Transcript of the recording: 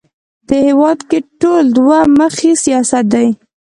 دې هېواد کې ټول دوه مخی سیاست دی